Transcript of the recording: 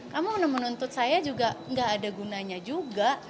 kamu menuntut saya juga nggak ada gunanya juga